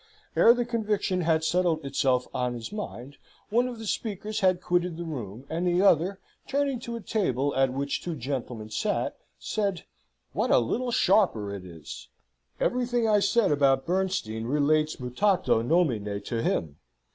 Ere the conviction had settled itself on his mind, one of the speakers had quitted the room, and the other, turning to a table at which two gentlemen sate, said, "What a little sharper it is! Everything I said about Bernstein relates mutato nomine to him.